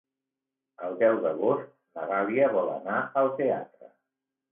El deu d'agost na Dàlia vol anar al teatre.